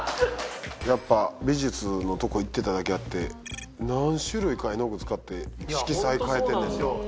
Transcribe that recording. やっぱ美術のとこ行ってただけあって何種類か絵の具使って色彩変えてんねんな。